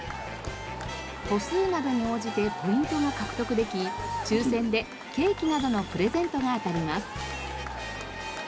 歩数などに応じてポイントが獲得でき抽選でケーキなどのプレゼントが当たります。